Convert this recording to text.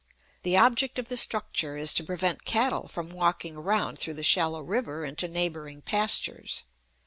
The object of the structure is to prevent cattle from walking around through the shallow river into neighboring pastures.